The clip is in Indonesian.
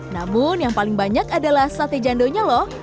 namun yang paling banyak adalah sate jandonya loh